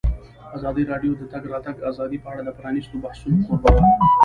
ازادي راډیو د د تګ راتګ ازادي په اړه د پرانیستو بحثونو کوربه وه.